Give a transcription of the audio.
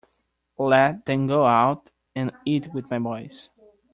Let them go out and eat with my boys.